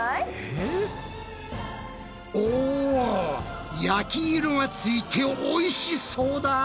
お焼き色がついておいしそうだ！